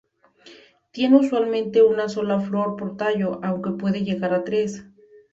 Tiene usualmente una sola flor por tallo, aunque puede llegar a tres.